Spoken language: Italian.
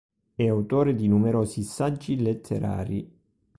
È autore di numerosi saggi letterari.